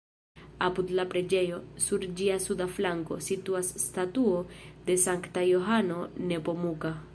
Apud la preĝejo, sur ĝia suda flanko, situas statuo de Sankta Johano Nepomuka.